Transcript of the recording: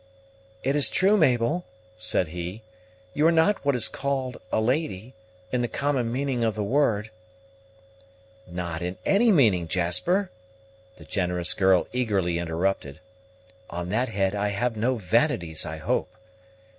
"It is true Mabel," said he, "you are not what is called a lady, in the common meaning of the word." "Not in any meaning, Jasper," the generous girl eagerly interrupted: "on that head, I have no vanities, I hope.